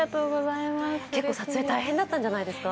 結構、撮影大変だったんじゃないですか？